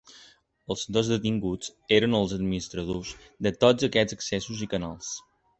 Els dos detinguts eren els administradors de tots aquests accessos i canals.